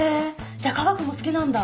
じゃ化学も好きなんだ。